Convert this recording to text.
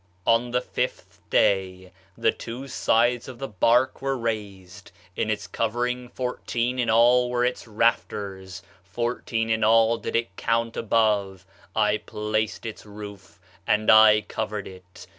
"'On the fifth day [the two sides of the bark] were raised. In its covering fourteen in all were its rafters fourteen in all did it count above. I placed its roof, and I covered it.